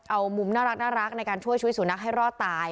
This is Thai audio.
เอามุมน่ารักในการช่วยชีวิตสุนัขให้รอดตาย